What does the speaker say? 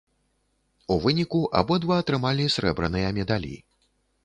У выніку абодва атрымалі срэбраныя медалі.